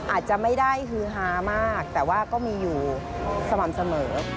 อาจจะไม่ได้ฮือฮามากแต่ว่าก็มีอยู่สม่ำเสมอ